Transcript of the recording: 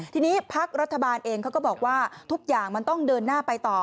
ทีนี้พักรัฐบาลเองเขาก็บอกว่าทุกอย่างมันต้องเดินหน้าไปต่อ